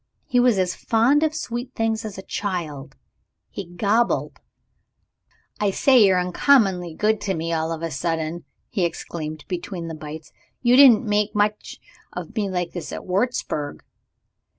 He was as fond of sweet things as a child he gobbled. "I say, you're uncommonly good to me all of a sudden," he exclaimed between the bites. "You didn't make much of me like this at Wurzburg!"